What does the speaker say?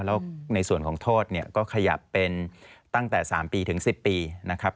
แล้วในส่วนของโทษเนี่ยก็ขยับเป็นตั้งแต่๓ปีถึง๑๐ปีนะครับ